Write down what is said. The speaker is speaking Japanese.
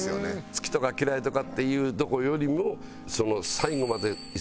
好きとか嫌いとかっていうとこよりも。